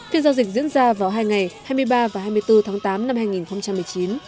phiên giao dịch diễn ra vào hai ngày hai mươi ba và hai mươi bốn tháng tám năm hai nghìn một mươi chín